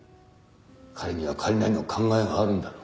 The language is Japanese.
彼には彼なりの考えがあるんだろう。